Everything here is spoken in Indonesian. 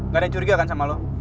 gak ada yang curiga kan sama lo